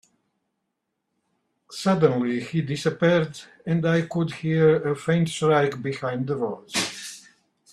Suddenly, he disappeared, and I could hear a faint shriek behind the walls.